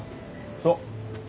そう。